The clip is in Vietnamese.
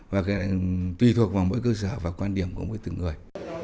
và cái này tùy thuộc vào mỗi cơ sở và quan điểm của mỗi từng người